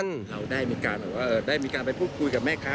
เราได้มีการแบบว่าได้มีการไปพูดคุยกับแม่ค้า